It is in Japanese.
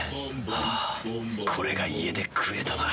あぁこれが家で食えたなら。